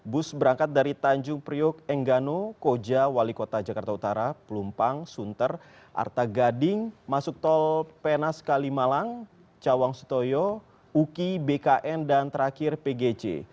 bus berangkat dari tanjung priok enggano koja wali kota jakarta utara pelumpang sunter arta gading masuk tol penas kalimalang cawang setoyo uki bkn dan terakhir pgc